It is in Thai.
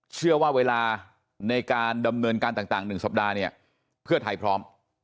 เชื่อว่าเวลาในการดำเนินการต่าง๑สัปดาห์เนี่ยเพื่อไทยพร้อม